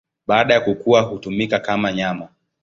Baada ya kukua hutumika kama nyama.